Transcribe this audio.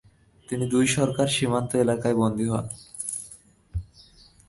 তিনি দুই সরকারের সীমান্ত এলাকায় বন্দী হন।